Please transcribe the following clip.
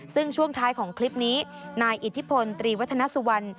ซึ่งช่วงท้ายของคลิปนี้นายอิทธิพลตรีวัฒนสุวรรณ